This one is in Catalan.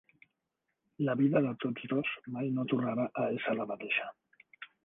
La vida de tots dos mai no tornarà a ésser la mateixa.